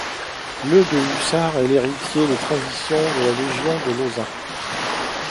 Le de hussards est l'héritier des traditions de la Légion de Lauzun.